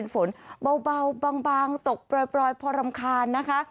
ฝนเบาบางตกปล่อยพอรำคาญนะคะ